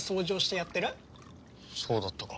そうだったか？